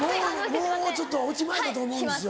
もうちょっとオチ前だと思うんですよ